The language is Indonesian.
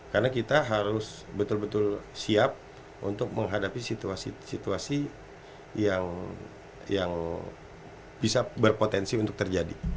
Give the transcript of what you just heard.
karena kita harus betul betul siap untuk menghadapi situasi situasi yang bisa berpotensi untuk terjadi